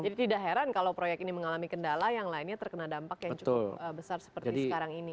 jadi tidak heran kalau proyek ini mengalami kendala yang lainnya terkena dampak yang cukup besar seperti sekarang ini